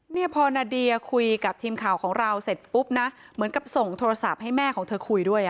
เนี่ยพอนาเดียคุยกับทีมข่าวของเราเสร็จปุ๊บนะเหมือนกับส่งโทรศัพท์ให้แม่ของเธอคุยด้วย